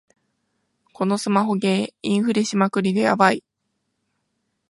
このスマホゲー、インフレしまくりでヤバい